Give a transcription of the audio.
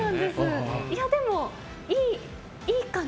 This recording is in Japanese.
でも、いいかな？